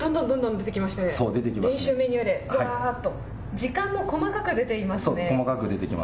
時間も細かく出ていますね。